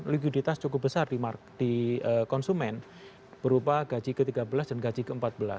likuiditas cukup besar di konsumen berupa gaji ke tiga belas dan gaji ke empat belas